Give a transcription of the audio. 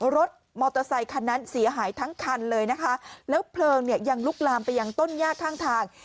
รถมอเตอร์ไซคันนั้นเสียหายทั้งคันเลยนะคะแล้วเพลิงเนี่ยยังลุกลามไปยังต้นยากข้างทาง